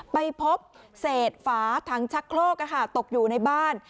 ไปพบเศษฝาถังชักโครกตกอยู่ในบ้าน